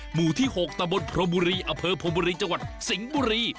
หมู่ที่๖ตะบนพรมบุรีอเภอพรมบุรีจังหวัดสิงห์บุรี